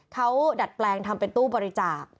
เขาดัดแปลงทำเป็นตู้บริจาค